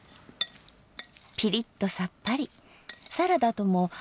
ピリッとさっぱりサラダとも相性よし！